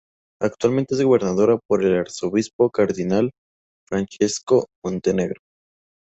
Actualmente es gobernada por el arzobispo cardinal Francesco Montenegro.